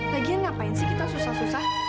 lagian ngapain sih kita susah susah